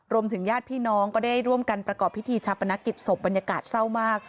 ญาติพี่น้องก็ได้ร่วมกันประกอบพิธีชาปนกิจศพบรรยากาศเศร้ามาก